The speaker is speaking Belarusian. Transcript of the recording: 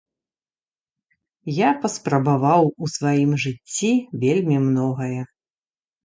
Я паспрабаваў у сваім жыцці вельмі многае.